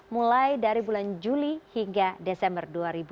mulai dari bulan juli hingga desember dua ribu dua puluh